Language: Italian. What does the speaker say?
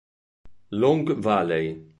Long Valley